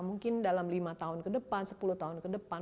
mungkin dalam lima tahun ke depan sepuluh tahun ke depan